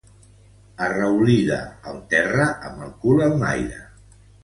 Arraulida al terra, amb el cul enlaire.